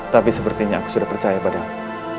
tapi sepertinya aku sudah percaya padamu